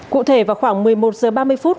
cụ thể vào khoảng một mươi một h ba mươi phút